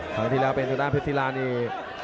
ครั้งที่แล้วเป็นทะดานเฟซิลานี่